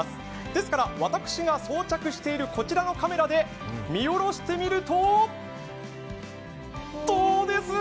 ですから私が装着しているこちらのカメラで見下ろしてみると、どうです？